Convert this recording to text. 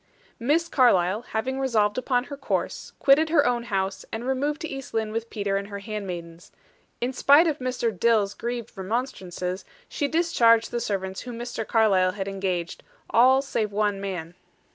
Miss Carlyle, having resolved upon her course, quitted her own house, and removed to East Lynne with Peter and her handmaidens. In spite of Mr. Dill's grieved remonstrances, she discharged the servants whom Mr. Carlyle had engaged, all save one man.